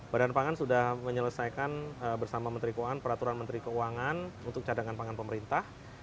badan pangan sudah menyelesaikan bersama menteri keuangan peraturan menteri keuangan untuk cadangan pangan pemerintah